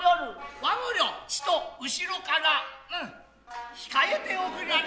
和御寮ちと後から控えておくりやれ。